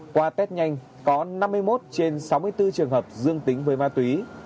qua test nhanh có năm mươi một trên sáu mươi bốn trường hợp dương tính với ma túy